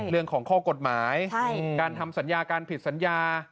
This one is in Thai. เรื่องของข้อกฎหมายการทำสัญญาการผิดสัญญา